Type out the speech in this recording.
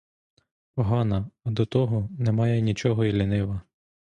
Погана, а до того, не має нічого й лінива.